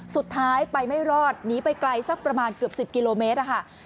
สุดท้ายไปไม่รอดหนีไปไกลสักประมาณเกือบ๑๐กิโลเมตรค่ะ